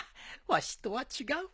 わしとは違う。